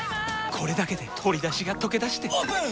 これだけで鶏だしがとけだしてオープン！